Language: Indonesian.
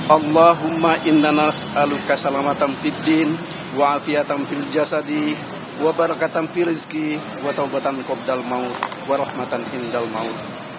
allahumma innanas aluka salamatam fiddin wa afiatam fil jasadih wa barakatam fil rizkih wa taubatan kubdal maut wa rahmatan hindal maut